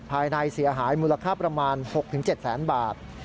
ภายในเสียหายมูลค่าประมาณ๖๗แสนบาท